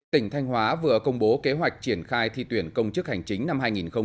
tỉnh thanh hóa vừa công bố kế hoạch triển khai thi tuyển công chức hành chính năm hai nghìn hai mươi